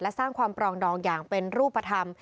และสร้างความปรองดองอย่างเป็นรูปธรรม